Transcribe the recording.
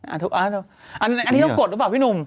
อ่ะถูาอันที่คุณกดรึเปล่าพี่หนุ่ม